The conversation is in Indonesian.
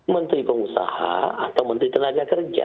menteri pengusaha atau menteri tenaga kerja